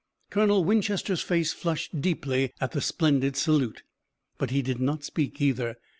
Colonel Winchester's face flushed deeply at the splendid salute, but he did not speak either.